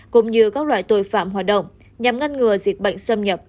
cũng như các loại tội phạm hoạt động nhằm ngăn ngừa dịch bệnh xâm nhập